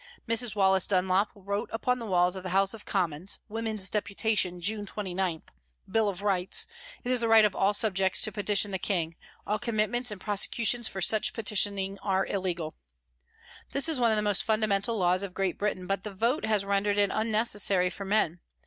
Miss Wallace Dunlop wrote up on the walls of the House of Commons :" Women's Deputation, June 29. Bill of Rights. It is the right of all subjects to petition the King. All commitments and prosecutions for such peti tioning are illegal." This is one of the most funda mental laws of Great Britain, but the vote has rendered it unnecessary for men.